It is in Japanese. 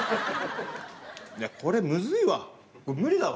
いや、これ、むずいわ。